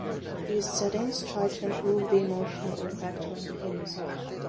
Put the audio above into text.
These settings try to improve the emotional impact of the hymns.